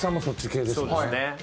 そうですね。